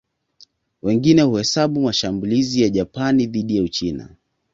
Wengine huhesabu mashambulizi ya Japani dhidi ya Uchina